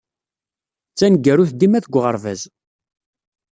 D taneggarut dima deg uɣerbaz.